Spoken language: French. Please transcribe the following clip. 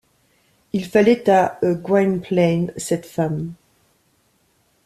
Il fallait à Gwynplaine cette femme.